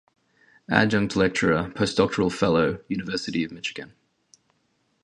Adjunct lecturer, postdoctoral fellow, University of Michigan.